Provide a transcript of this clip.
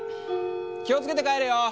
気を付けて帰れよ！